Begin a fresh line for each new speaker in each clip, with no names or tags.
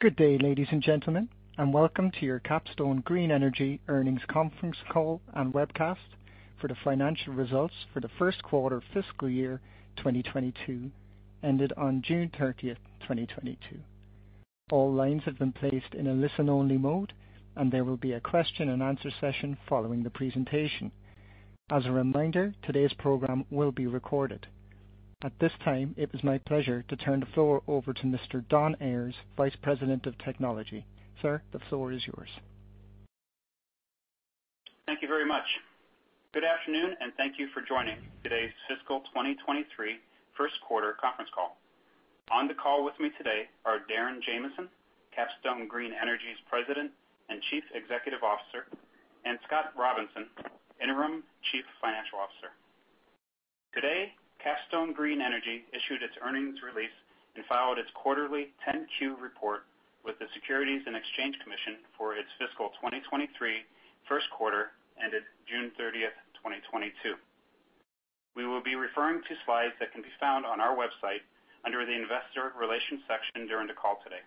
Good day, ladies and gentlemen, and welcome to your Capstone Green Energy earnings conference call and webcast for the financial results for the first quarter fiscal year 2022 ended on June 30, 2022. All lines have been placed in a listen-only mode, and there will be a question-and-answer session following the presentation. As a reminder, today's program will be recorded. At this time, it is my pleasure to turn the floor over to Mr. Don Ayers, Vice President of Technology. Sir, the floor is yours.
Thank you very much. Good afternoon, and thank you for joining today's fiscal 2023 first quarter conference call. On the call with me today are Darren Jamison, Capstone Green Energy's President and Chief Executive Officer, and Scott Robinson, Interim Chief Financial Officer. Today, Capstone Green Energy issued its earnings release and filed its quarterly 10-Q report with the Securities and Exchange Commission for its fiscal 2023 first quarter ended June 30, 2022. We will be referring to slides that can be found on our website under the Investor Relations section during the call today.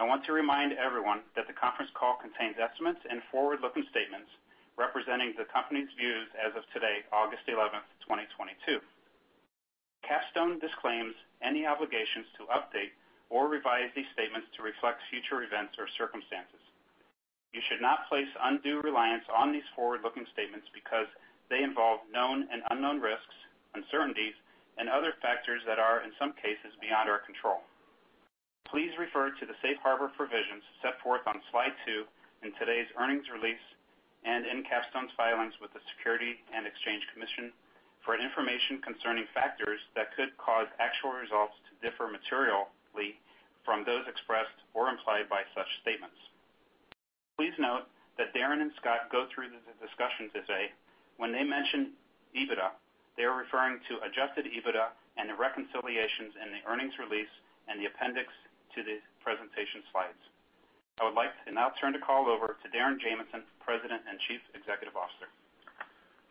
I want to remind everyone that the conference call contains estimates and forward-looking statements representing the company's views as of today, August 11, 2022. Capstone disclaims any obligations to update or revise these statements to reflect future events or circumstances. You should not place undue reliance on these forward-looking statements because they involve known and unknown risks, uncertainties and other factors that are, in some cases, beyond our control. Please refer to the safe harbor provisions set forth on slide 2 in today's earnings release and in Capstone's filings with the Securities and Exchange Commission for information concerning factors that could cause actual results to differ materially from those expressed or implied by such statements. Please note that Darren and Scott go through the discussions today. When they mention EBITDA, they are referring to adjusted EBITDA and the reconciliations in the earnings release and the appendix to the presentation slides. I would like to now turn the call over to Darren Jamison, President and Chief Executive Officer.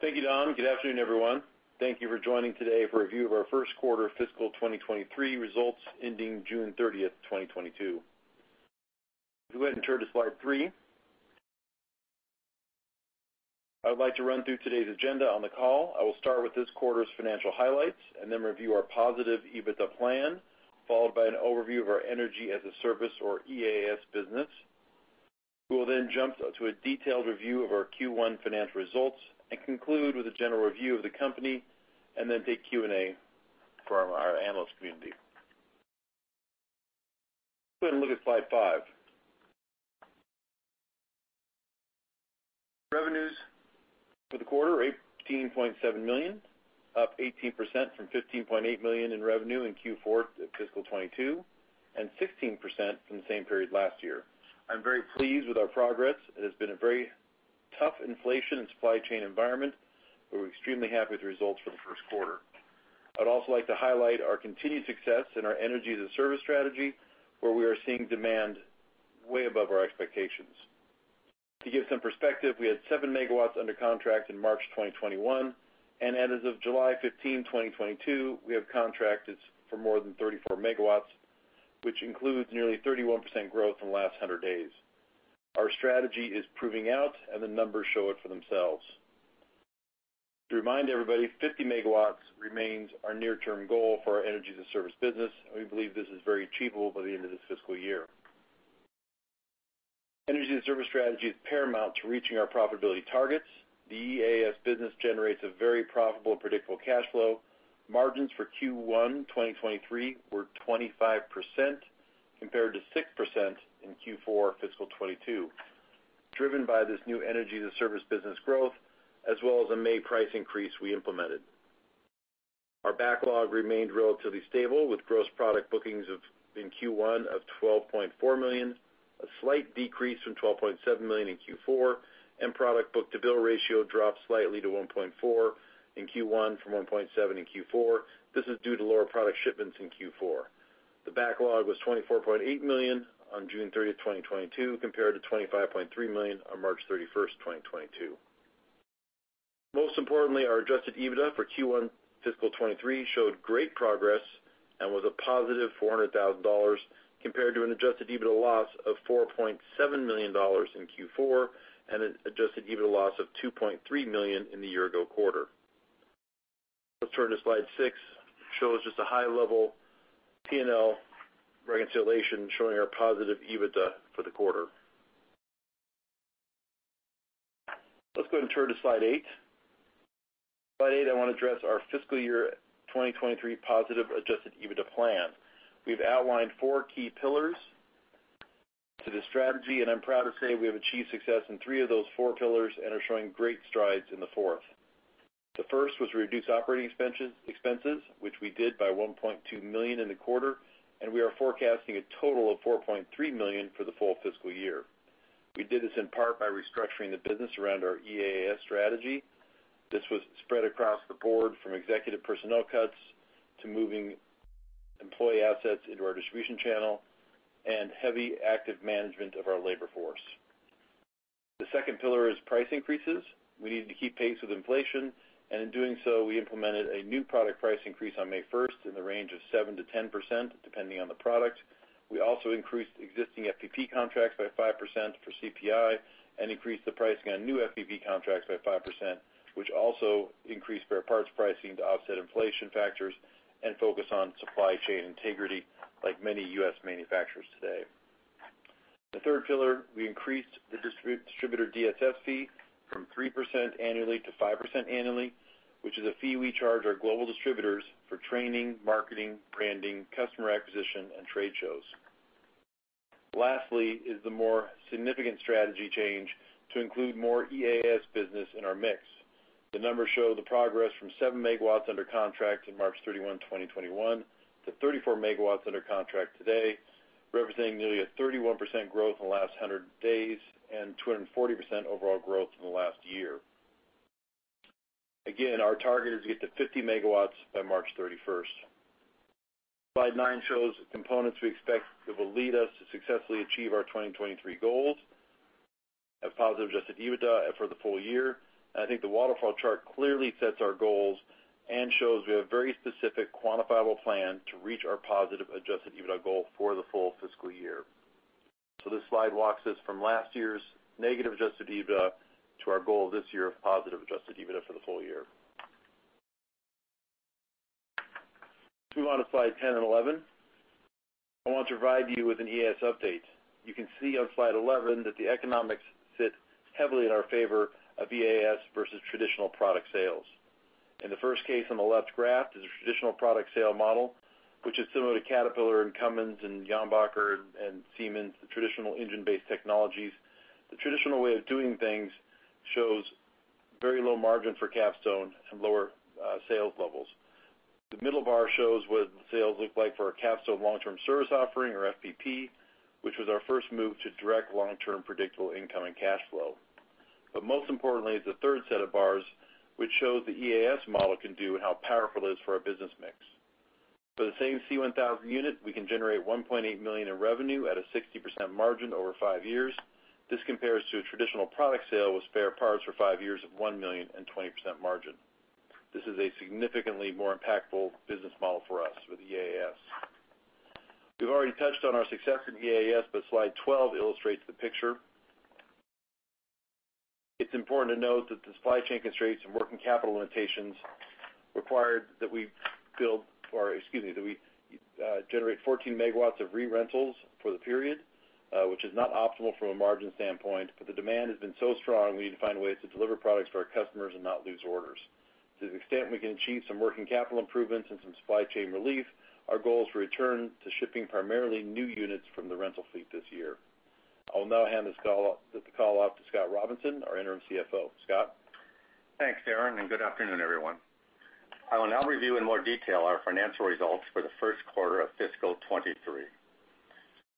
Thank you, Don. Good afternoon, everyone. Thank you for joining today for a review of our first quarter fiscal 2023 results ending June 30, 2022. Go ahead and turn to slide 3. I would like to run through today's agenda on the call. I will start with this quarter's financial highlights and then review our positive EBITDA plan, followed by an overview of our Energy as a Service or EaaS business. We will then jump to a detailed review of our Q1 financial results and conclude with a general review of the company and then take Q&A from our analyst community. Go ahead and look at slide 5. Revenues for the quarter, $18.7 million, up 18% from $15.8 million in revenue in Q4 fiscal 2022, and 16% from the same period last year. I'm very pleased with our progress. It has been a very tough inflation and supply chain environment. We're extremely happy with the results for the first quarter. I'd also like to highlight our continued success in our energy-as-a-service strategy, where we are seeing demand way above our expectations. To give some perspective, we had 7 megawatts under contract in March 2021, and as of July 15, 2022, we have contracted for more than 34 megawatts, which includes nearly 31% growth in the last 100 days. Our strategy is proving out and the numbers show it for themselves. To remind everybody, 50 megawatts remains our near-term goal for our energy-as-a-service business, and we believe this is very achievable by the end of this fiscal year. Energy-as-a-service strategy is paramount to reaching our profitability targets. The EaaS business generates a very profitable and predictable cash flow. Margins for Q1 2023 were 25% compared to 6% in Q4 fiscal 2022, driven by this new energy-as-a-service business growth as well as a May price increase we implemented. Our backlog remained relatively stable with gross product bookings of $12.4 million in Q1, a slight decrease from $12.7 million in Q4, and product book-to-bill ratio dropped slightly to 1.4 in Q1 from 1.7 in Q4. This is due to lower product shipments in Q4. The backlog was $24.8 million on June 30, 2022, compared to $25.3 million on March 31, 2022. Most importantly, our adjusted EBITDA for Q1 fiscal 2023 showed great progress and was a positive $400,000 compared to an adjusted EBITDA loss of $4.7 million in Q4 and an adjusted EBITDA loss of $2.3 million in the year-ago quarter. Let's turn to slide 6. It shows just a high-level P&L reconciliation showing our positive EBITDA for the quarter. Let's go and turn to slide 8. Slide 8, I wanna address our fiscal year 2023 positive adjusted EBITDA plan. We've outlined four key pillars to the strategy, and I'm proud to say we have achieved success in three of those four pillars and are showing great strides in the fourth. The first was to reduce operating expenses which we did by $1.2 million in the quarter, and we are forecasting a total of $4.3 million for the full fiscal year. We did this in part by restructuring the business around our EaaS strategy. This was spread across the board from executive personnel cuts to moving employee assets into our distribution channel and heavy active management of our labor force. The second pillar is price increases. We need to keep pace with inflation, and in doing so, we implemented a new product price increase on May first in the range of 7%-10%, depending on the product. We also increased existing FPP contracts by 5% for CPI and increased the pricing on new FPP contracts by 5%, which also increased spare parts pricing to offset inflation factors and focus on supply chain integrity like many U.S. manufacturers today. The third pillar, we increased the distributor DSS fee from 3% annually to 5% annually, which is a fee we charge our global distributors for training, marketing, branding, customer acquisition, and trade shows. Lastly is the more significant strategy change to include more EAS business in our mix. The numbers show the progress from 7 MW under contract in March 31, 2021, to 34 MW under contract today, representing nearly a 31% growth in the last 100 days and 240% overall growth in the last year. Again, our target is to get to 50 MW by March 31. Slide 9 shows the components we expect that will lead us to successfully achieve our 2023 goals of positive adjusted EBITDA for the full year. I think the waterfall chart clearly sets our goals and shows we have a very specific quantifiable plan to reach our positive adjusted EBITDA goal for the full fiscal year. This slide walks us from last year's negative adjusted EBITDA to our goal this year of positive adjusted EBITDA for the full year. Let's move on to slide 10 and 11. I want to provide you with an EaaS update. You can see on slide 11 that the economics sit heavily in our favor of EaaS versus traditional product sales. In the first case on the left graph is a traditional product sale model, which is similar to Caterpillar and Cummins and Yanmar and Siemens, the traditional engine-based technologies. The traditional way of doing things shows very low margin for Capstone and lower sales levels. The middle bar shows what sales look like for a Capstone long-term service offering or FPP, which was our first move to direct long-term predictable income and cash flow. Most importantly is the third set of bars, which shows the EAS model can do and how powerful it is for our business mix. For the same C1000 unit, we can generate $1.8 million in revenue at a 60% margin over five years. This compares to a traditional product sale with spare parts for five years of $1 million and 20% margin. This is a significantly more impactful business model for us with EAS. We've already touched on our success with EAS, slide 12 illustrates the picture. It's important to note that the supply chain constraints and working capital limitations required that we generate 14 megawatts of re-rentals for the period, which is not optimal from a margin standpoint, but the demand has been so strong we need to find ways to deliver products to our customers and not lose orders. To the extent we can achieve some working capital improvements and some supply chain relief, our goal is to return to shipping primarily new units from the rental fleet this year. I will now hand this call off to Scott Robinson, our Interim CFO. Scott?
Thanks, Darren, and good afternoon, everyone. I will now review in more detail our financial results for the first quarter of fiscal 2023.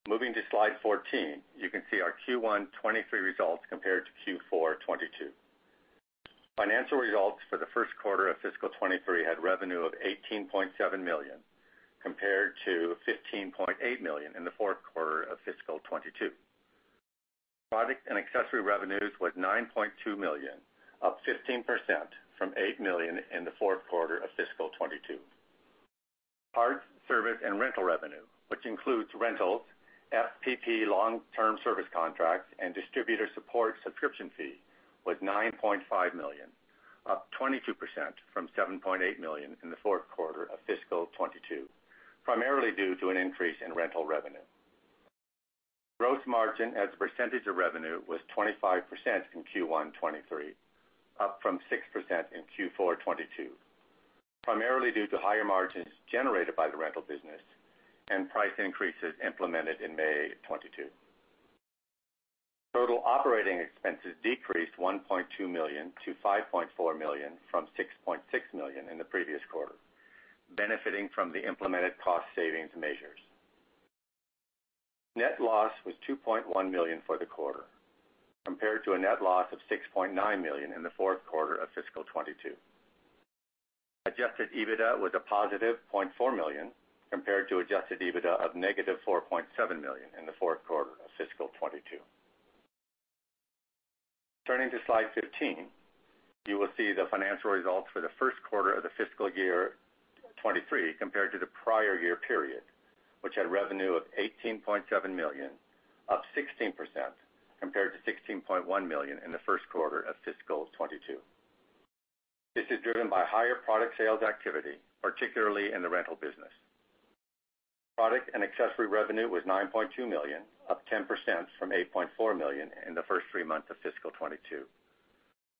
Moving to slide 14, you can see our Q1 2023 results compared to Q4 2022. Financial results for the first quarter of fiscal 2023 had revenue of $18.7 million, compared to $15.8 million in the fourth quarter of fiscal 2022. Product and accessory revenues was $9.2 million, up 15% from $8 million in the fourth quarter of fiscal 2022. Parts, service, and rental revenue, which includes rentals, FPP long-term service contracts, and distributor support subscription fee, was $9.5 million, up 22% from $7.8 million in the fourth quarter of fiscal 2022, primarily due to an increase in rental revenue. Gross margin as a percentage of revenue was 25% in Q1 2023, up from 6% in Q4 2022, primarily due to higher margins generated by the rental business and price increases implemented in May 2022. Total operating expenses decreased $1.2 million to $5.4 million from $6.6 million in the previous quarter, benefiting from the implemented cost savings measures. Net loss was $2.1 million for the quarter, compared to a net loss of $6.9 million in the fourth quarter of fiscal 2022. Adjusted EBITDA was a positive $0.4 million, compared to adjusted EBITDA of negative $4.7 million in the fourth quarter of fiscal 2022. Turning to slide 15, you will see the financial results for the first quarter of the fiscal year 2023 compared to the prior year period, which had revenue of $18.7 million, up 16% compared to $16.1 million in the first quarter of fiscal 2022. This is driven by higher product sales activity, particularly in the rental business. Product and accessory revenue was $9.2 million, up 10% from $8.4 million in the first three months of fiscal 2022,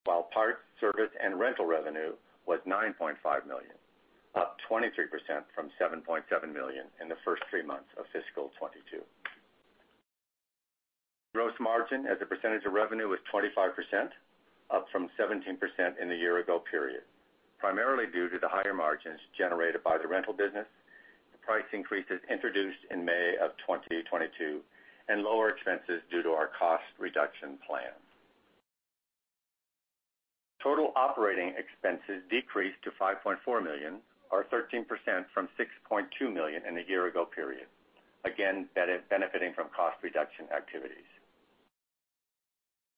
while parts, service, and rental revenue was $9.5 million, up 23% from $7.7 million in the first three months of fiscal 2022. Gross margin as a percentage of revenue was 25%, up from 17% in the year ago period, primarily due to the higher margins generated by the rental business, the price increases introduced in May 2022, and lower expenses due to our cost reduction plan. Total operating expenses decreased to $5.4 million or 13% from $6.2 million in the year ago period. Again, benefiting from cost reduction activities.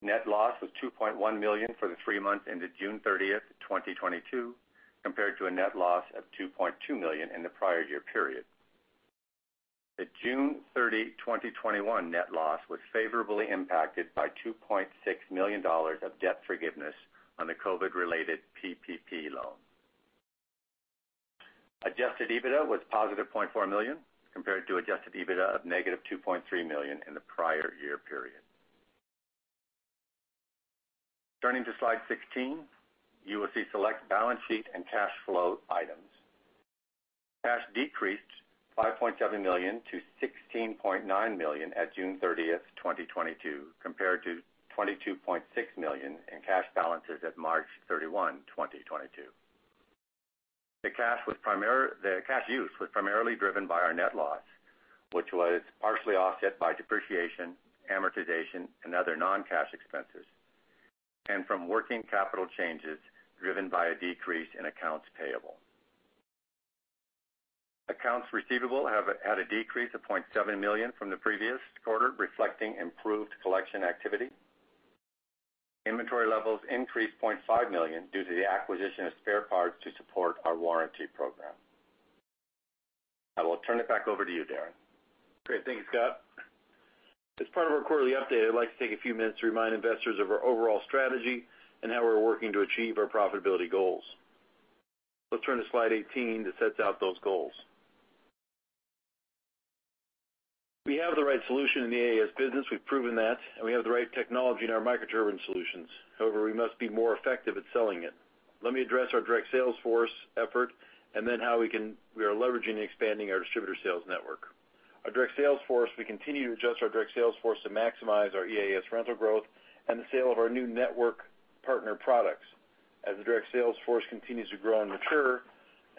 Net loss was $2.1 million for the three months ended June 30, 2022, compared to a net loss of $2.2 million in the prior year period. The June 30, 2021 net loss was favorably impacted by $2.6 million of debt forgiveness on the COVID-related PPP loan. Adjusted EBITDA was positive $0.4 million, compared to adjusted EBITDA of negative $2.3 million in the prior year period. Turning to slide 16, you will see select balance sheet and cash flow items. Cash decreased $5.7 million to $16.9 million at June 30, 2022, compared to $22.6 million in cash balances at March 31, 2022. The cash use was primarily driven by our net loss, which was partially offset by depreciation, amortization, and other non-cash expenses, and from working capital changes driven by a decrease in accounts payable. Accounts receivable have had a decrease of $0.7 million from the previous quarter, reflecting improved collection activity. Inventory levels increased $0.5 million due to the acquisition of spare parts to support our warranty program. I will turn it back over to you, Darren.
Great. Thank you, Scott. As part of our quarterly update, I'd like to take a few minutes to remind investors of our overall strategy and how we're working to achieve our profitability goals. Let's turn to slide 18 that sets out those goals. We have the right solution in the EAS business, we've proven that, and we have the right technology in our microturbine solutions. However, we must be more effective at selling it. Let me address our direct sales force effort and then we are leveraging and expanding our distributor sales network. Our direct sales force, we continue to adjust to maximize our EAS rental growth and the sale of our new network partner products. As the direct sales force continues to grow and mature,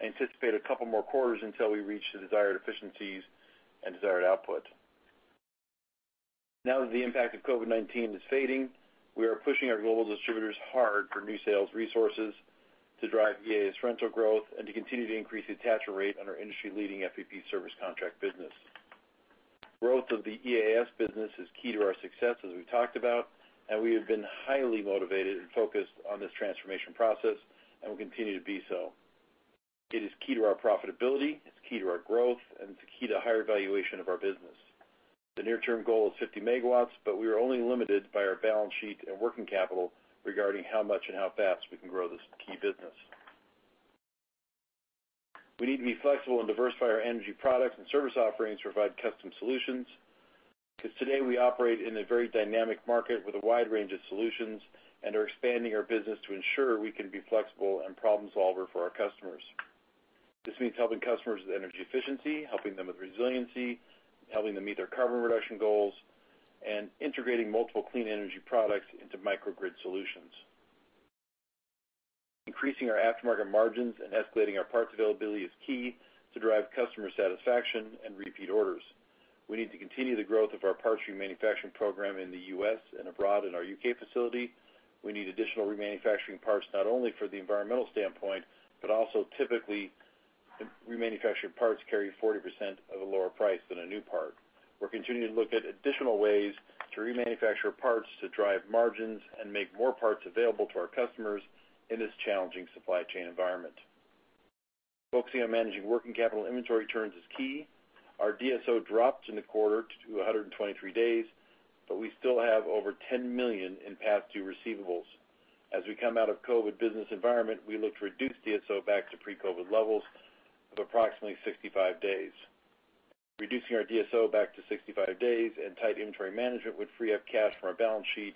I anticipate a couple more quarters until we reach the desired efficiencies and desired output. Now that the impact of COVID-19 is fading, we are pushing our global distributors hard for new sales resources to drive EAS rental growth and to continue to increase the attach rate on our industry-leading FPP service contract business. Growth of the EAS business is key to our success, as we've talked about, and we have been highly motivated and focused on this transformation process and will continue to be so. It is key to our profitability, it's key to our growth, and it's key to higher valuation of our business. The near-term goal is 50 megawatts, but we are only limited by our balance sheet and working capital regarding how much and how fast we can grow this key business. We need to be flexible and diversify our energy products and service offerings to provide custom solutions, because today we operate in a very dynamic market with a wide range of solutions and are expanding our business to ensure we can be flexible and problem solver for our customers. This means helping customers with energy efficiency, helping them with resiliency, helping them meet their carbon reduction goals, and integrating multiple clean energy products into microgrid solutions. Increasing our aftermarket margins and escalating our parts availability is key to drive customer satisfaction and repeat orders. We need to continue the growth of our parts remanufacturing program in the U.S. and abroad in our U.K. facility. We need additional remanufacturing parts, not only for the environmental standpoint, but also typically, remanufactured parts carry 40% lower price than a new part. We're continuing to look at additional ways to remanufacture parts to drive margins and make more parts available to our customers in this challenging supply chain environment. Focusing on managing working capital inventory turns is key. Our DSO dropped in the quarter to 123 days, but we still have over $10 million in past due receivables. As we come out of COVID-19 business environment, we look to reduce DSO back to pre-COVID-19 levels of approximately 65 days. Reducing our DSO back to 65 days and tight inventory management would free up cash from our balance sheet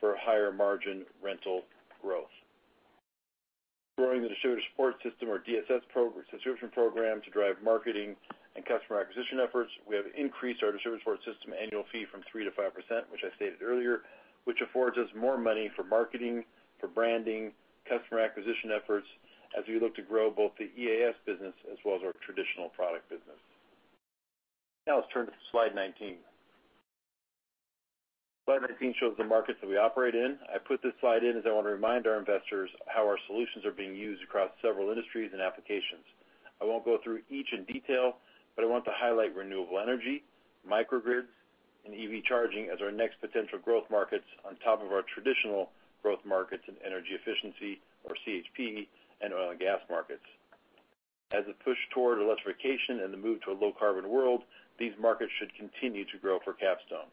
for higher margin rental growth. Growing the Distributor Support System or DSS subscription program to drive marketing and customer acquisition efforts, we have increased our Distributor Support System annual fee from 3%-5%, which I stated earlier, which affords us more money for marketing, for branding, customer acquisition efforts as we look to grow both the EAS business as well as our traditional product business. Now, let's turn to slide 19. Slide 19 shows the markets that we operate in. I put this slide in as I want to remind our investors how our solutions are being used across several industries and applications. I won't go through each in detail, but I want to highlight renewable energy, microgrids, and EV charging as our next potential growth markets on top of our traditional growth markets in energy efficiency or CHP and oil and gas markets. As a push toward electrification and the move to a low carbon world, these markets should continue to grow for Capstone.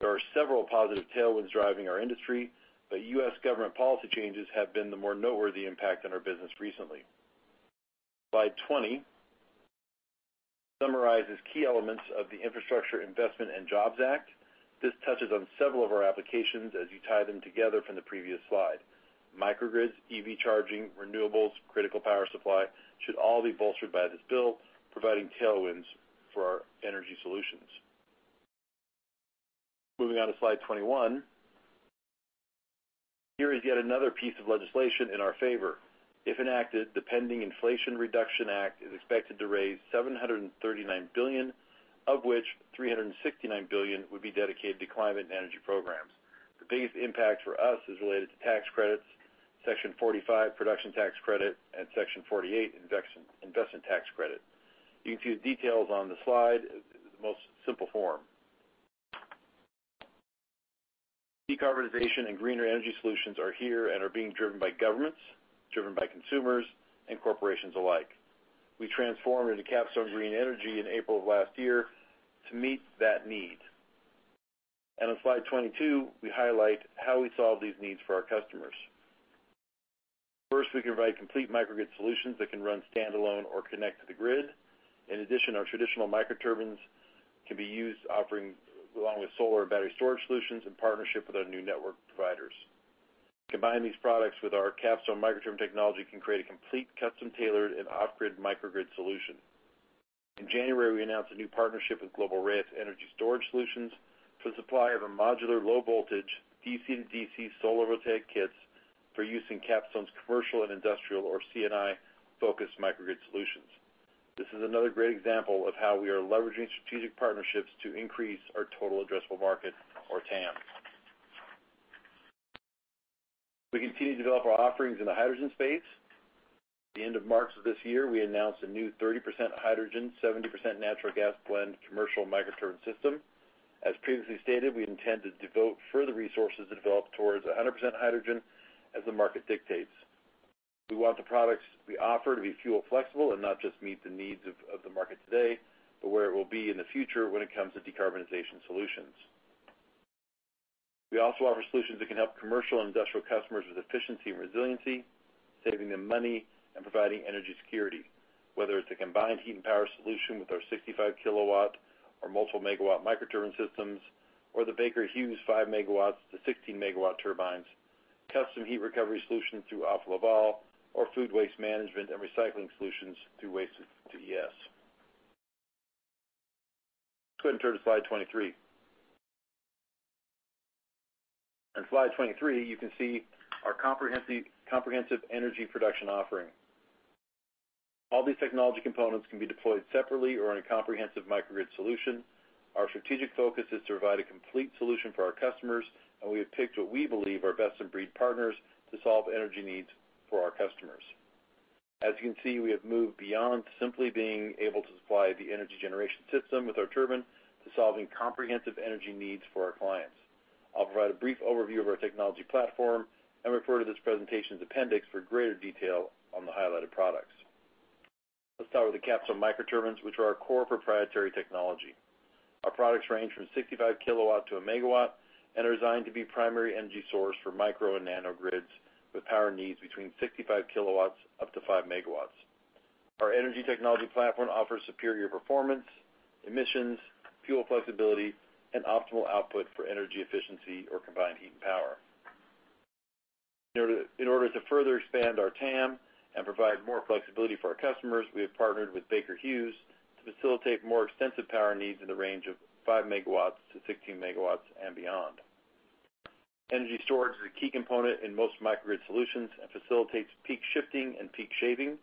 There are several positive tailwinds driving our industry, but U.S. government policy changes have been the more noteworthy impact on our business recently. Slide 20 summarizes key elements of the Infrastructure Investment and Jobs Act. This touches on several of our applications as you tie them together from the previous slide. Microgrids, EV charging, renewables, critical power supply should all be bolstered by this bill, providing tailwinds for our energy solutions. Moving on to slide 21. Here is yet another piece of legislation in our favor. If enacted, the pending Inflation Reduction Act is expected to raise $739 billion, of which $369 billion would be dedicated to climate and energy programs. The biggest impact for us is related to tax credits, Section 45 production tax credit, and Section 48 investment tax credit. You can see the details on the slide in the most simple form. Decarbonization and greener energy solutions are here and are being driven by governments, driven by consumers and corporations alike. We transformed into Capstone Green Energy in April of last year to meet that need. On slide 22, we highlight how we solve these needs for our customers. First, we can provide complete microgrid solutions that can run standalone or connect to the grid. In addition, our traditional microturbines can be used offering, along with solar and battery storage solutions in partnership with our new network providers. Combine these products with our Capstone microturbine technology can create a complete custom-tailored and off-grid microgrid solution. In January, we announced a new partnership with Global RAIS Energy & Storage Solutions for the supply of a modular low voltage DC to DC solar photovoltaic kits for use in Capstone's commercial and industrial, or C&I focused microgrid solutions. This is another great example of how we are leveraging strategic partnerships to increase our total addressable market, or TAM. We continue to develop our offerings in the hydrogen space. At the end of March of this year, we announced a new 30% hydrogen, 70% natural gas blend commercial microturbine system. As previously stated, we intend to devote further resources to develop towards a 100% hydrogen as the market dictates. We want the products we offer to be fuel flexible and not just meet the needs of the market today, but where it will be in the future when it comes to decarbonization solutions. We also offer solutions that can help commercial and industrial customers with efficiency and resiliency, saving them money and providing energy security, whether it's a combined heat and power solution with our 65 kW or multiple MW microturbine systems, or the Baker Hughes 5 MW to 16 MW turbines, custom heat recovery solutions through Alfa Laval or food waste management and recycling solutions through Waste2ES. Let's go ahead and turn to slide 23. On slide 23, you can see our comprehensive energy production offering. All these technology components can be deployed separately or in a comprehensive microgrid solution. Our strategic focus is to provide a complete solution for our customers, and we have picked what we believe are best-in-breed partners to solve energy needs for our customers. As you can see, we have moved beyond simply being able to supply the energy generation system with our turbine to solving comprehensive energy needs for our clients. I'll provide a brief overview of our technology platform and refer to this presentation's appendix for greater detail on the highlighted products. Let's start with the Capstone microturbines, which are our core proprietary technology. Our products range from 65 kW to 1 MW and are designed to be primary energy source for micro and nano grids with power needs between 65 kW up to 5 MW. Our energy technology platform offers superior performance, emissions, fuel flexibility, and optimal output for energy efficiency or combined heat and power. In order to further expand our TAM and provide more flexibility for our customers, we have partnered with Baker Hughes to facilitate more extensive power needs in the range of 5-16 megawatts and beyond. Energy storage is a key component in most microgrid solutions and facilitates peak shifting and peak shaving.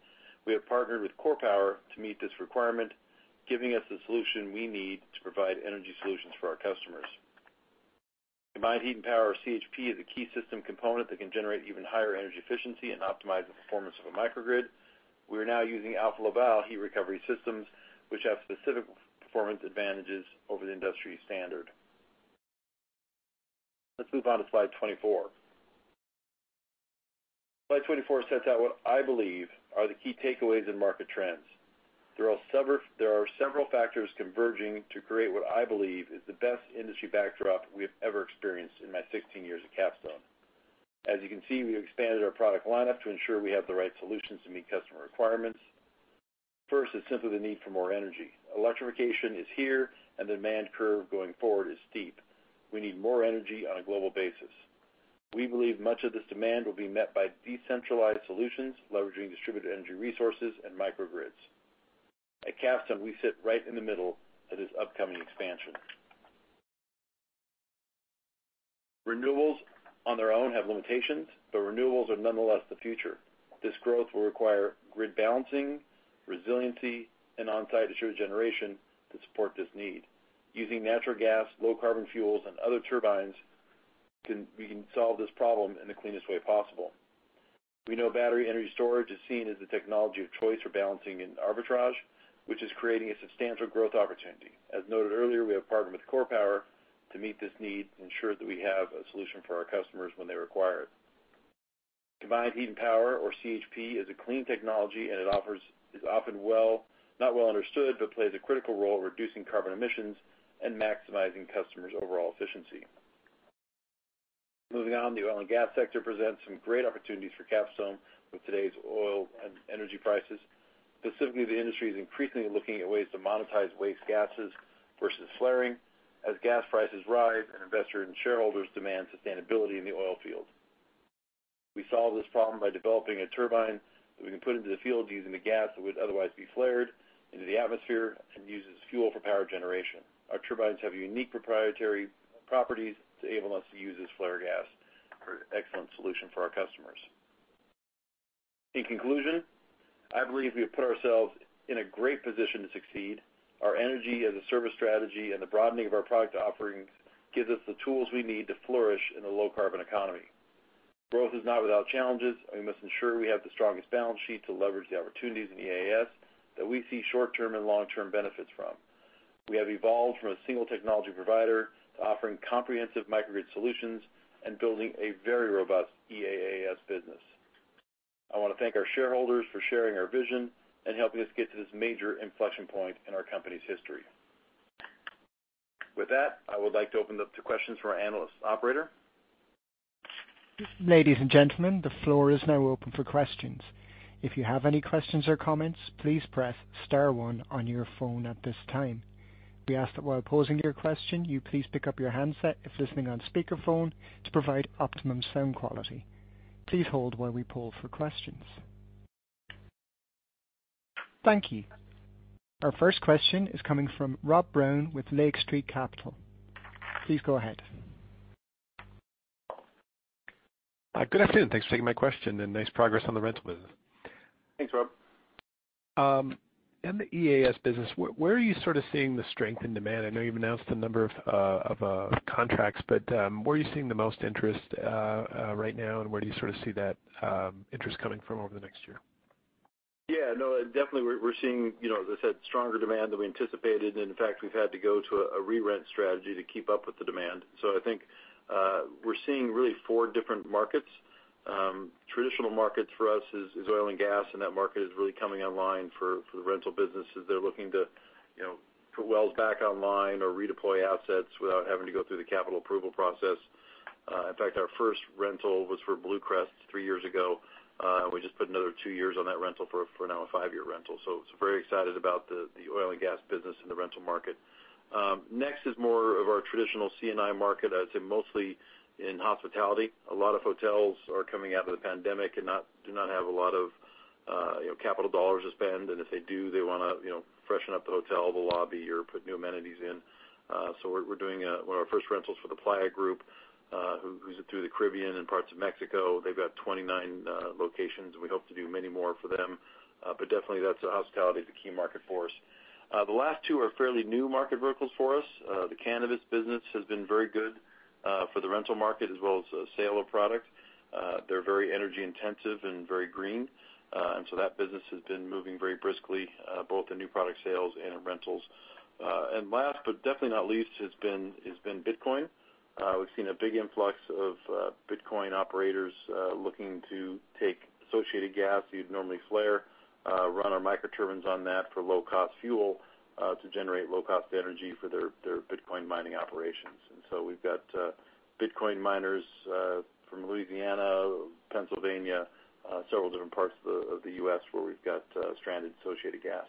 We have partnered with CorePower to meet this requirement, giving us the solution we need to provide energy solutions for our customers. Combined heat and power, or CHP, is a key system component that can generate even higher energy efficiency and optimize the performance of a microgrid. We are now using Alfa Laval heat recovery systems, which have specific performance advantages over the industry standard. Let's move on to slide 24. Slide 24 sets out what I believe are the key takeaways in market trends. There are several factors converging to create what I believe is the best industry backdrop we have ever experienced in my 16 years at Capstone. As you can see, we have expanded our product lineup to ensure we have the right solutions to meet customer requirements. First is simply the need for more energy. Electrification is here, and the demand curve going forward is steep. We need more energy on a global basis. We believe much of this demand will be met by decentralized solutions, leveraging distributed energy resources and microgrids. At Capstone, we sit right in the middle of this upcoming expansion. Renewables, on their own, have limitations, but renewables are nonetheless the future. This growth will require grid balancing, resiliency, and on-site assured generation to support this need. Using natural gas, low carbon fuels, and other turbines, we can solve this problem in the cleanest way possible. We know battery energy storage is seen as the technology of choice for balancing and arbitrage, which is creating a substantial growth opportunity. As noted earlier, we have partnered with CorePower to meet this need and ensure that we have a solution for our customers when they require it. Combined heat and power, or CHP, is a clean technology, and it is often not well understood, but plays a critical role in reducing carbon emissions and maximizing customers' overall efficiency. Moving on, the oil and gas sector presents some great opportunities for Capstone with today's oil and energy prices. Specifically, the industry is increasingly looking at ways to monetize waste gases versus flaring as gas prices rise and investors and shareholders demand sustainability in the oil field. We solve this problem by developing a turbine that we can put into the field using the gas that would otherwise be flared into the atmosphere and uses fuel for power generation. Our turbines have unique proprietary properties to enable us to use this flare gas for excellent solution for our customers. In conclusion, I believe we have put ourselves in a great position to succeed. Our energy as a service strategy and the broadening of our product offerings gives us the tools we need to flourish in a low carbon economy. Growth is not without challenges, and we must ensure we have the strongest balance sheet to leverage the opportunities in the EaaS that we see short-term and long-term benefits from. We have evolved from a single technology provider to offering comprehensive microgrid solutions and building a very robust EaaS business. I wanna thank our shareholders for sharing our vision and helping us get to this major inflection point in our company's history. With that, I would like to open up to questions from our analysts. Operator?
Ladies and gentlemen, the floor is now open for questions. If you have any questions or comments, please press star one on your phone at this time. We ask that while posing your question, you please pick up your handset if listening on speakerphone to provide optimum sound quality. Please hold while we poll for questions. Thank you. Our first question is coming from Rob Brown with Lake Street Capital Markets. Please go ahead.
Hi. Good afternoon. Thanks for taking my question and nice progress on the rental business.
Thanks, Rob.
In the EAS business, where are you sort of seeing the strength in demand? I know you've announced a number of contracts, but where are you seeing the most interest right now, and where do you sort of see that interest coming from over the next year?
Yeah, no, definitely we're seeing, you know, as I said, stronger demand than we anticipated. In fact, we've had to go to a re-rent strategy to keep up with the demand. I think, we're seeing really four different markets. Traditional markets for us is oil and gas, and that market is really coming online for the rental businesses. They're looking to, you know, put wells back online or redeploy assets without having to go through the capital approval process. In fact, our first rental was for BlueCrest three years ago. We just put another two years on that rental for now a five-year rental. It's very excited about the oil and gas business in the rental market. Next is more of our traditional C&I market. I would say mostly in hospitality. A lot of hotels are coming out of the pandemic and do not have a lot of, you know, capital dollars to spend. If they do, they wanna, you know, freshen up the hotel, the lobby, or put new amenities in. We're doing one of our first rentals for the Playa Group, who's throughout the Caribbean and parts of Mexico. They've got 29 locations, and we hope to do many more for them. Definitely, that's the hospitality, is a key market for us. The last two are fairly new market verticals for us. The cannabis business has been very good for the rental market as well as the sale of product. They're very energy intensive and very green. That business has been moving very briskly, both in new product sales and in rentals. Last but definitely not least, Bitcoin has been. We've seen a big influx of Bitcoin operators looking to take associated gas you'd normally flare, run our microturbines on that for low-cost fuel, to generate low-cost energy for their Bitcoin mining operations. We've got Bitcoin miners from Louisiana, Pennsylvania, several different parts of the U.S. where we've got stranded associated gas.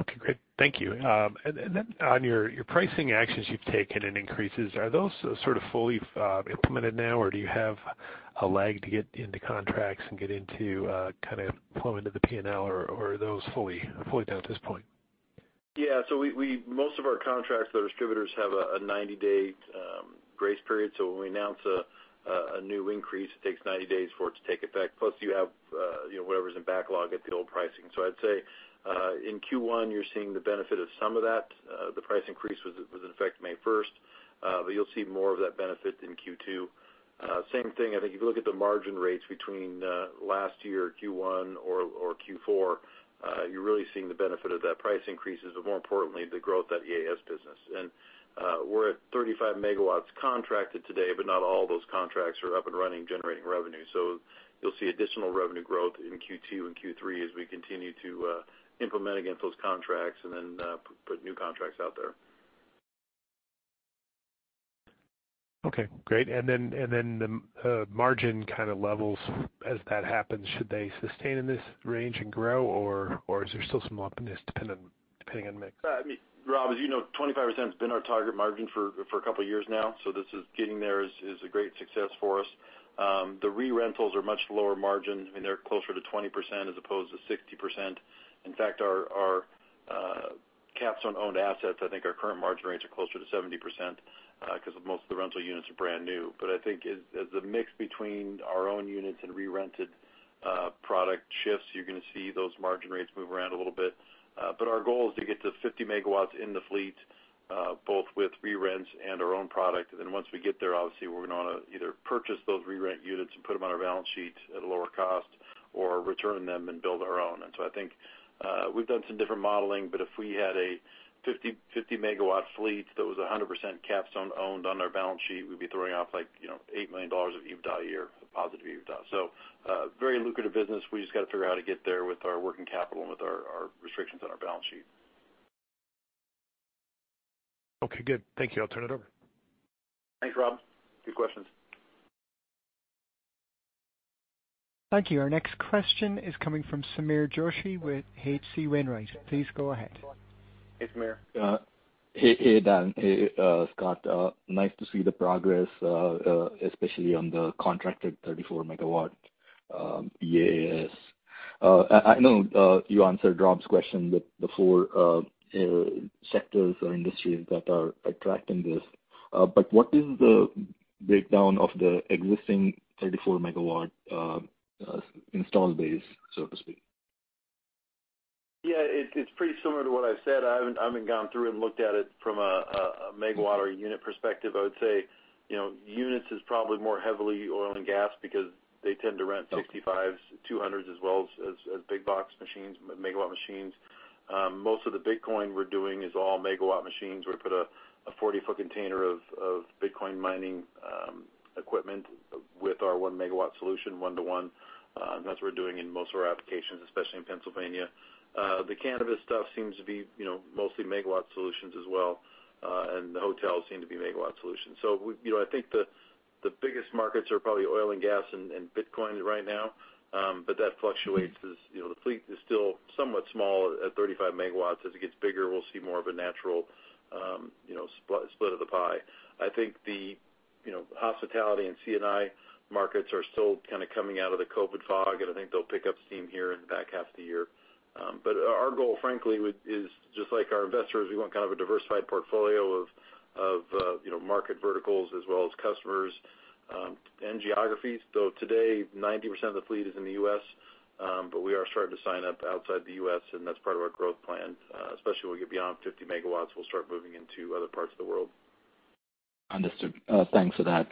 Okay, great. Thank you. On your pricing actions you've taken and increases, are those sort of fully implemented now, or do you have a lag to get into contracts and get into kind of flow into the P&L or are those fully done at this point?
Yeah. Most of our contracts, the distributors have a 90-day grace period. When we announce a new increase, it takes 90 days for it to take effect. Plus you have, you know, whatever's in backlog at the old pricing. I'd say in Q1, you're seeing the benefit of some of that. The price increase was in effect May 1, but you'll see more of that benefit in Q2. Same thing, I think if you look at the margin rates between last year, Q1 or Q4, you're really seeing the benefit of that price increases, but more importantly, the growth of that EAS business. We're at 35 megawatts contracted today, but not all those contracts are up and running generating revenue. You'll see additional revenue growth in Q2 and Q3 as we continue to implement against those contracts and then put new contracts out there.
Okay, great. Margin kinda levels as that happens. Should they sustain in this range and grow, or is there still some lumpiness depending on mix?
I mean, Rob, as you know, 25% has been our target margin for a couple of years now. Getting there is a great success for us. The re-rentals are much lower margin, and they're closer to 20% as opposed to 60%. In fact, our Capstone-owned assets, I think our current margin rates are closer to 70%, 'cause most of the rental units are brand new. I think as the mix between our own units and re-rented product shifts, you're gonna see those margin rates move around a little bit. Our goal is to get to 50 megawatts in the fleet, both with re-rents and our own product. Once we get there, obviously, we're gonna either purchase those re-rent units and put them on our balance sheet at a lower cost or return them and build our own. I think, we've done some different modeling, but if we had a 50 megawatt fleet that was 100% Capstone owned on our balance sheet, we'd be throwing off like, you know, $8 million of EBITDA a year, a positive EBITDA. Very lucrative business. We just gotta figure out how to get there with our working capital and with our restrictions on our balance sheet.
Okay, good. Thank you. I'll turn it over.
Thanks, Rob. Good questions.
Thank you. Our next question is coming from Sameer Joshi with H.C. Wainwright. Please go ahead.
Hey, Sameer.
Hey, Darren. Hey, Scott. Nice to see the progress, especially on the contracted 34-megawatt EAS. I know you answered Rob's question with the four sectors or industries that are attracting this, but what is the breakdown of the existing 34-megawatt installed base, so to speak?
Yeah, it's pretty similar to what I've said. I haven't gone through and looked at it from a megawatt or a unit perspective. I would say, you know, units is probably more heavily oil and gas because they tend to rent 65s, 200s as well as big box machines, megawatt machines. Most of the Bitcoin we're doing is all megawatt machines. We put a 40-foot container of Bitcoin mining equipment with our 1-megawatt solution one-to-one, and that's what we're doing in most of our applications, especially in Pennsylvania. The cannabis stuff seems to be, you know, mostly megawatt solutions as well, and the hotels seem to be megawatt solutions. You know, I think the biggest markets are probably oil and gas and Bitcoin right now. That fluctuates as, you know, the fleet is still somewhat small at 35 megawatts. As it gets bigger, we'll see more of a natural, you know, split of the pie. I think the, you know, hospitality and C&I markets are still kind of coming out of the COVID fog, and I think they'll pick up steam here in the back half of the year. Our goal, frankly, is just like our investors, we want kind of a diversified portfolio of, you know, market verticals as well as customers, and geographies. Today, 90% of the fleet is in the US, but we are starting to sign up outside the US, and that's part of our growth plan. Especially when we get beyond 50 megawatts, we'll start moving into other parts of the world.
Understood. Thanks for that.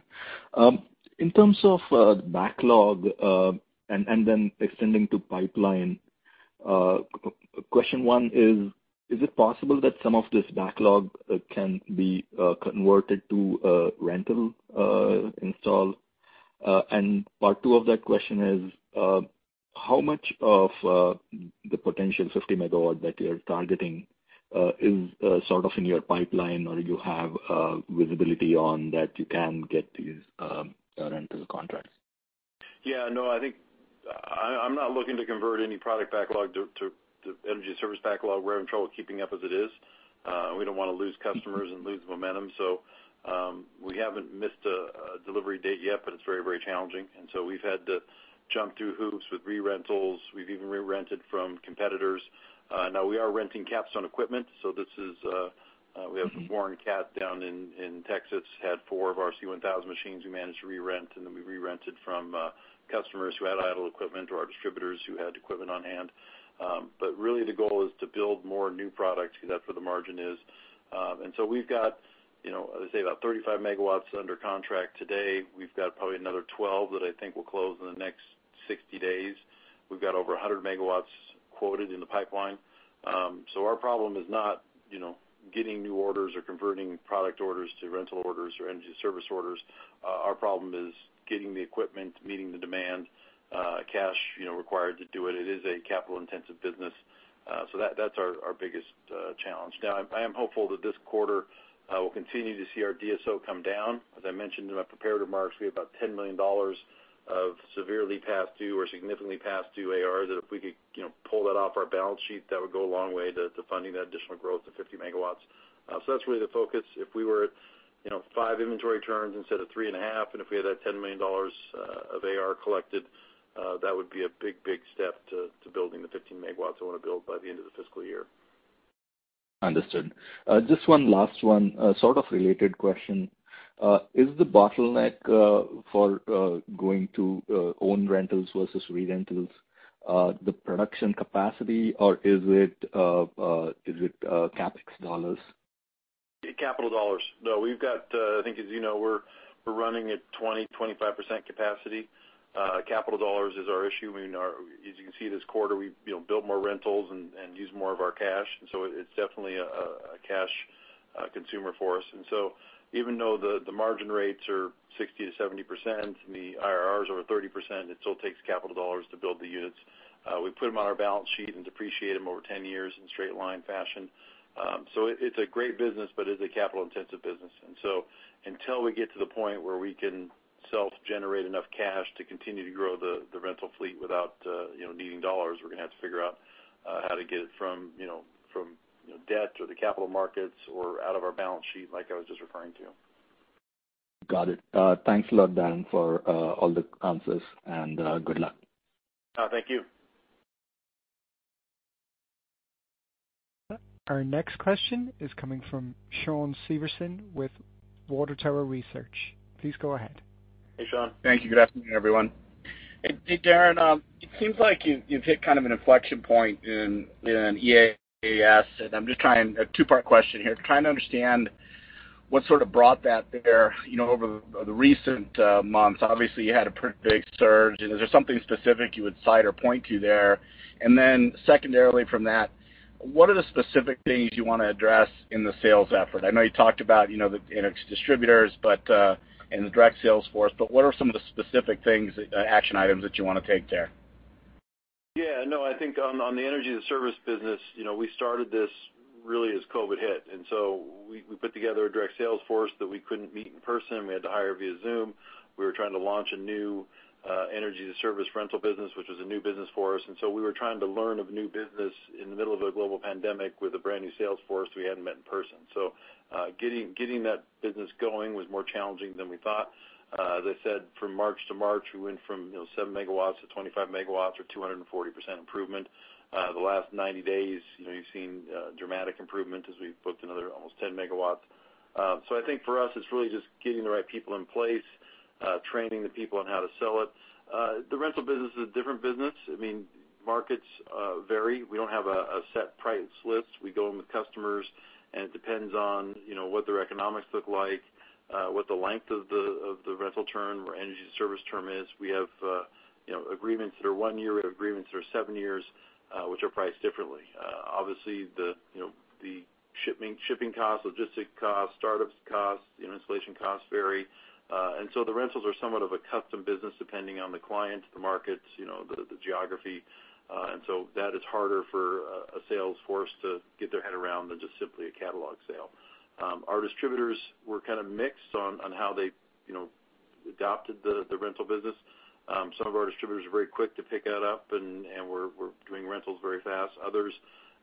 In terms of backlog, and then extending to pipeline, question one is it possible that some of this backlog can be converted to a rental install? Part two of that question is, how much of the potential 50 megawatt that you're targeting is sort of in your pipeline or you have visibility on that you can get these rental contracts?
I think I'm not looking to convert any product backlog to energy service backlog. We're in trouble keeping up as it is. We don't wanna lose customers and lose momentum. We haven't missed a delivery date yet, but it's very, very challenging. We've had to jump through hoops with re-rentals. We've even re-rented from competitors. Now we are renting Capstone equipment. We have some foreign cap down in Texas had four of our C1000 machines we managed to re-rent, and then we re-rented from customers who had idle equipment or our distributors who had equipment on hand. Really the goal is to build more new products because that's where the margin is. We've got, you know, I'd say about 35 megawatts under contract today. We've got probably another 12 that I think will close in the next 60 days. We've got over 100 MW quoted in the pipeline. Our problem is not, you know, getting new orders or converting product orders to rental orders or energy service orders. Our problem is getting the equipment, meeting the demand, cash, you know, required to do it. It is a capital-intensive business. That, that's our biggest challenge. Now, I am hopeful that this quarter, we'll continue to see our DSO come down. As I mentioned in my prepared remarks, we have about $10 million of severely past due or significantly past due AR that if we could, you know, pull that off our balance sheet, that would go a long way to funding that additional growth to 50 MW. That's really the focus. If we were, you know, 5 inventory turns instead of 3.5, and if we had that $10 million of AR collected, that would be a big step to building the 15 megawatts I wanna build by the end of the fiscal year.
Understood. Just one last one, sort of related question. Is the bottleneck for going to own rentals versus re-rentals the production capacity, or is it CapEx dollars?
Capital dollars. No, we've got, I think as you know, we're running at 20-25% capacity. Capital dollars is our issue. I mean, as you can see this quarter, we, you know, built more rentals and used more of our cash. It's definitely a cash consumer for us. Even though the margin rates are 60%-70% and the IRRs are 30%, it still takes capital dollars to build the units. We put them on our balance sheet and depreciate them over 10 years in straight-line fashion. It's a great business, but it's a capital-intensive business. Until we get to the point where we can self-generate enough cash to continue to grow the rental fleet without, you know, needing dollars, we're gonna have to figure out how to get it from, you know, debt or the capital markets or out of our balance sheet like I was just referring to.
Got it. Thanks a lot, Darren, for all the answers, and good luck.
Oh, thank you.
Our next question is coming from Shawn Severson with Water Tower Research. Please go ahead.
Hey, Shawn. Thank you. Good afternoon, everyone. Hey, Darren, it seems like you've hit kind of an inflection point in EAS, and I'm just trying. A two-part question here. Trying to understand what sort of brought that there, you know, over the recent months. Obviously, you had a pretty big surge. Is there something specific you would cite or point to there? Then secondarily from that, what are the specific things you wanna address in the sales effort? I know you talked about, you know, and its distributors, but and the direct sales force, but what are some of the specific things, action items that you wanna take there? Yeah, no, I think on the energy to service business, you know, we started this really as COVID hit. We put together a direct sales force that we couldn't meet in person. We had to hire via Zoom. We were trying to launch a new energy to service rental business, which was a new business for us. We were trying to learn of new business in the middle of a global pandemic with a brand new sales force we hadn't met in person. Getting that business going was more challenging than we thought. As I said, from March to March, we went from, you know, 7 megawatts to 25 megawatts or 240% improvement. The last 90 days, you know, you've seen dramatic improvement as we've booked another almost 10 megawatts. I think for us, it's really just getting the right people in place, training the people on how to sell it. The rental business is a different business. I mean, markets vary. We don't have a set price list. We go in with customers, and it depends on, you know, what their economics look like, what the length of the rental term or energy service term is. We have, you know, agreements that are one year, we have agreements that are seven years, which are priced differently. Obviously, you know, the shipping costs, logistic costs, startup costs, you know, installation costs vary. The rentals are somewhat of a custom business, depending on the client, the markets, you know, the geography. That is harder for a sales force to get their head around than just simply a catalog sale. Our distributors were kinda mixed on how they, you know, adopted the rental business. Some of our distributors were very quick to pick that up and were doing rentals very fast. Others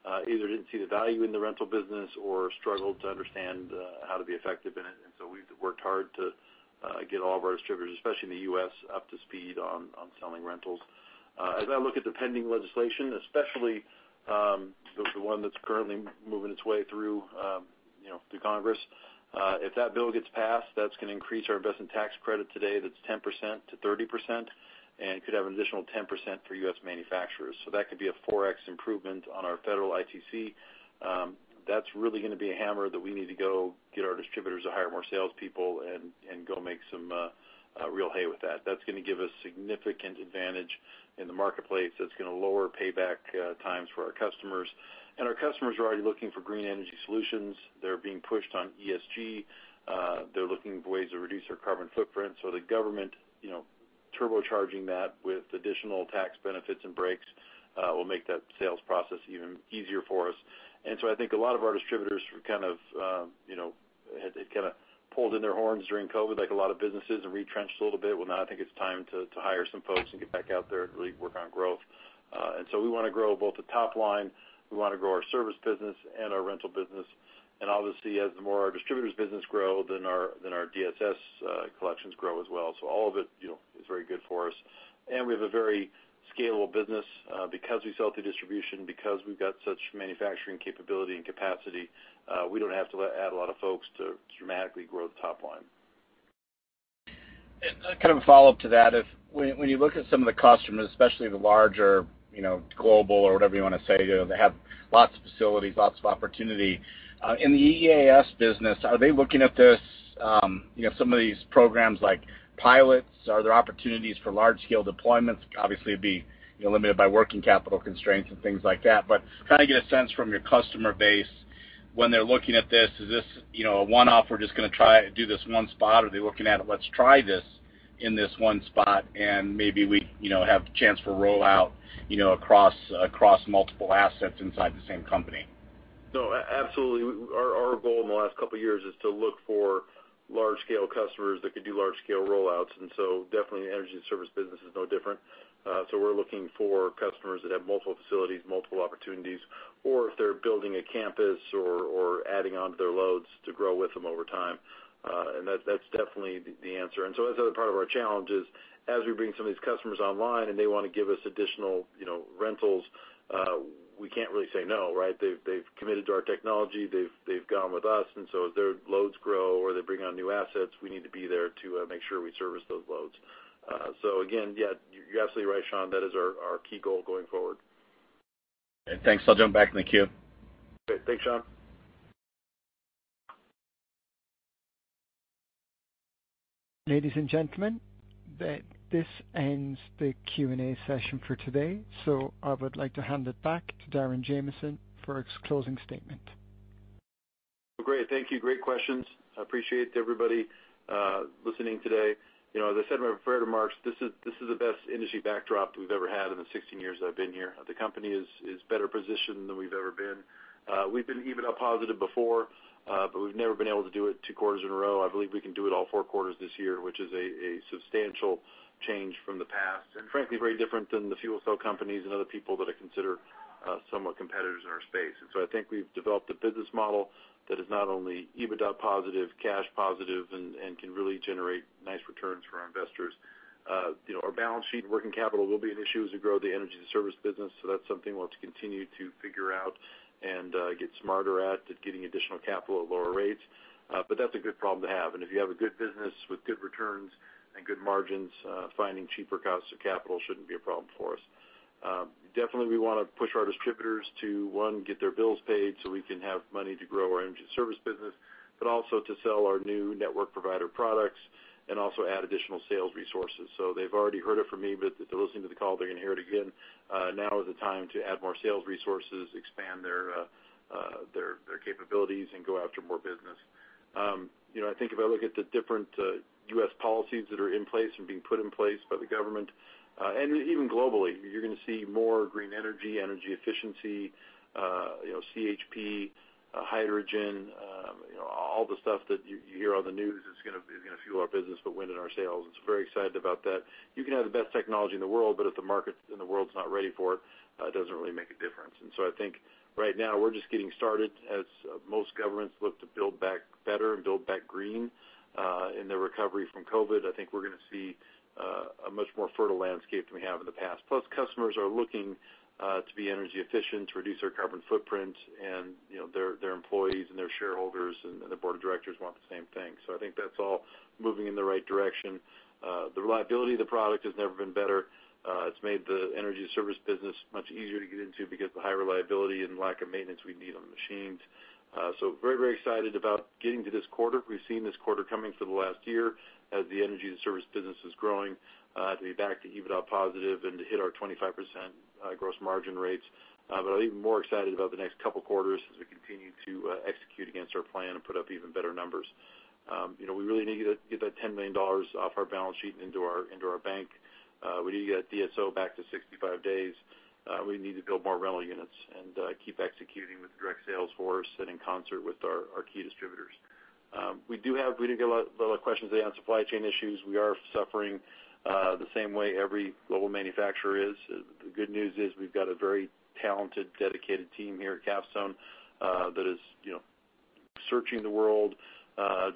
either didn't see the value in the rental business or struggled to understand how to be effective in it. We've worked hard to get all of our distributors, especially in the U.S., up to speed on selling rentals. As I look at the pending legislation, especially, the one that's currently moving its way through, you know, the Congress, if that bill gets passed, that's gonna increase our investment tax credit today, that's 10%-30%, and could have an additional 10% for U.S. manufacturers. That could be a 4x improvement on our federal ITC. That's really gonna be a hammer that we need to go get our distributors to hire more salespeople and go make some real hay with that. That's gonna give us significant advantage in the marketplace. That's gonna lower payback times for our customers. Our customers are already looking for green energy solutions. They're being pushed on ESG. They're looking for ways to reduce their carbon footprint. The government turbocharging that with additional tax benefits and breaks will make that sales process even easier for us. I think a lot of our distributors had pulled in their horns during COVID, like a lot of businesses, and retrenched a little bit. Well, now I think it's time to hire some folks and get back out there and really work on growth. We wanna grow both the top line, we wanna grow our service business and our rental business. Obviously, as the more our distributors' business grow, then our DSS collections grow as well. All of it is very good for us. We have a very scalable business, because we sell to distribution, because we've got such manufacturing capability and capacity, we don't have to add a lot of folks to dramatically grow the top line.
Kind of a follow-up to that. If when you look at some of the customers, especially the larger, you know, global or whatever you wanna say, you know, they have lots of facilities, lots of opportunity in the EAS business, are they looking at this, you know, some of these programs like pilots, are there opportunities for large scale deployments? Obviously, it'd be, you know, limited by working capital constraints and things like that. Kinda get a sense from your customer base when they're looking at this, is this, you know, a one-off, we're just gonna try do this one spot, or are they looking at it, "Let's try this in this one spot, and maybe we, you know, have the chance for rollout, you know, across multiple assets inside the same company.
No, absolutely. Our goal in the last couple of years is to look for large scale customers that could do large scale rollouts. Definitely the energy service business is no different. We're looking for customers that have multiple facilities, multiple opportunities, or if they're building a campus or adding onto their loads to grow with them over time. That's definitely the answer. That's the other part of our challenge is, as we bring some of these customers online and they wanna give us additional, you know, rentals, we can't really say no, right? They've committed to our technology, they've gone with us, and as their loads grow or they bring on new assets, we need to be there to make sure we service those loads. Again, yeah, you're absolutely right, Shawn. That is our key goal going forward.
Thanks. I'll jump back in the queue.
Great. Thanks, Shawn.
Ladies and gentlemen, this ends the Q&A session for today, so I would like to hand it back to Darren Jamison for his closing statement.
Great. Thank you. Great questions. I appreciate everybody listening today. You know, as I said in my prepared remarks, this is the best industry backdrop we've ever had in the 16 years I've been here. The company is better positioned than we've ever been. We've been EBITDA positive before, but we've never been able to do it 2 quarters in a row. I believe we can do it all 4 quarters this year, which is a substantial change from the past, and frankly, very different than the fuel cell companies and other people that I consider somewhat competitors in our space. I think we've developed a business model that is not only EBITDA positive, cash positive, and can really generate nice returns for our investors. You know, our balance sheet and working capital will be an issue as we grow the energy service business, so that's something we'll have to continue to figure out and get smarter at getting additional capital at lower rates. That's a good problem to have. If you have a good business with good returns and good margins, finding cheaper costs of capital shouldn't be a problem for us. Definitely, we wanna push our distributors to, one, get their bills paid so we can have money to grow our energy service business, but also to sell our new network provider products and also add additional sales resources. They've already heard it from me, but if they're listening to the call, they're gonna hear it again. Now is the time to add more sales resources, expand their capabilities, and go after more business. You know, I think if I look at the different U.S. policies that are in place and being put in place by the government and even globally, you're gonna see more green energy efficiency, you know, CHP, hydrogen, you know, all the stuff that you hear on the news is gonna fuel our business, put wind in our sails. Very excited about that. You can have the best technology in the world, but if the market in the world is not ready for it doesn't really make a difference. I think right now we're just getting started as most governments look to build back better and build back green in their recovery from COVID-19. I think we're gonna see a much more fertile landscape than we have in the past. Plus, customers are looking to be energy efficient, to reduce their carbon footprint, and, you know, their employees and their shareholders and the board of directors want the same thing. I think that's all moving in the right direction. The reliability of the product has never been better. It's made the energy service business much easier to get into because the high reliability and lack of maintenance we need on the machines. Very, very excited about getting to this quarter. We've seen this quarter coming for the last year as the energy and service business is growing to be back to EBITDA positive and to hit our 25% gross margin rates. I'm even more excited about the next couple quarters as we continue to execute against our plan and put up even better numbers. You know, we really need to get that $10 million off our balance sheet and into our bank. We need to get DSO back to 65 days. We need to build more rental units and keep executing with the direct sales force and in concert with our key distributors. We didn't get a lot of questions today on supply chain issues. We are suffering the same way every global manufacturer is. The good news is we've got a very talented, dedicated team here at Capstone that is, you know, searching the world,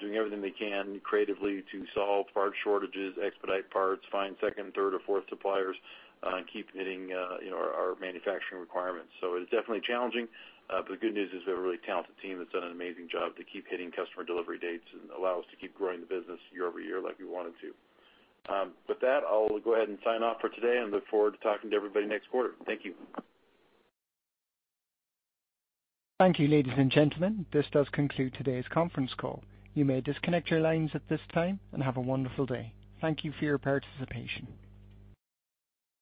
doing everything they can creatively to solve part shortages, expedite parts, find second, third, or fourth suppliers, and keep hitting, you know, our manufacturing requirements. It's definitely challenging, but the good news is we have a really talented team that's done an amazing job to keep hitting customer delivery dates and allow us to keep growing the business year over year like we wanted to. With that, I'll go ahead and sign off for today and look forward to talking to everybody next quarter. Thank you.
Thank you, ladies and gentlemen. This does conclude today's conference call. You may disconnect your lines at this time, and have a wonderful day. Thank you for your participation.